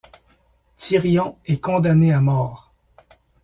Tyrion est condamné à mort.